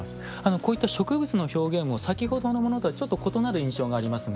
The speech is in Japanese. こういった植物の表現も先ほどのものとはちょっと異なる印象がありますが。